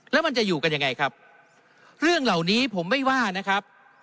แล้วมันจะอยู่กันยังไงครับเรื่องเหล่านี้ผมไม่ว่านะครับ